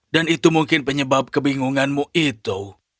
dan itu mungkin penyebab kebingunganmu itu